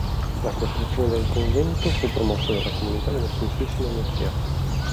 La costruzione del convento fu promossa dalla Comunità della Santissima Annunziata.